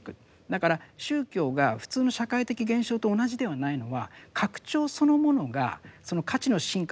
だから宗教が普通の社会的現象と同じではないのは拡張そのものがその価値の深化とは必ずしも一致しない。